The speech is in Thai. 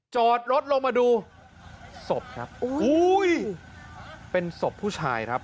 จอดรถลงมาดูศพครับอุ้ยเป็นศพผู้ชายครับ